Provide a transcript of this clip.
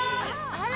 あら！